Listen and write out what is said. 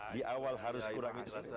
di awal harus kurangi